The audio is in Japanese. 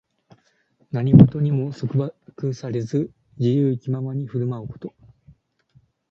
何事にも束縛されず、自由気ままに振る舞うこと。